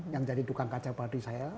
yang jadi tukang kaca padi saya